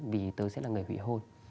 vì tớ sẽ là người hủy hôn